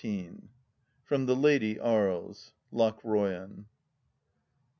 XIV From The Lady Arlea LOOHBOYAN.